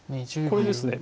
これですね。